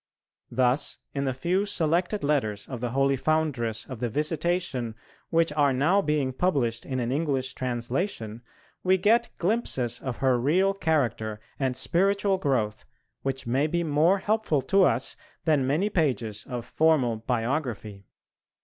Thus in the few selected Letters of the holy foundress of the Visitation which are now being published in an English translation we get glimpses of her real character and spiritual growth which may be more helpful to us than many pages of formal biography.